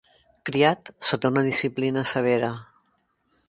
Criat sota una disciplina severa.